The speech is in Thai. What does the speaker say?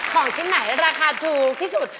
ของชิ้นไหนราคาถูกที่สุด